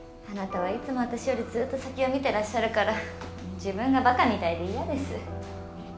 あなたはいつも私よりずっと先を見てらっしゃるから自分がバカみたいで嫌です。